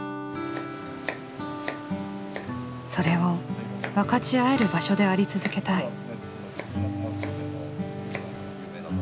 それを分かち合える場所であり続けたい。